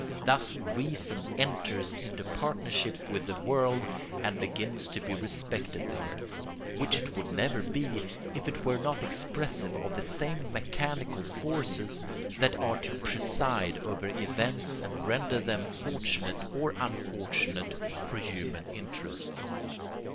Thus reason enters into partnership with the world and begins to be respected there; which it would never be if it were not expressive of the same mechanical forces that are to preside over events and render them fortunate or unfortunate for human interests.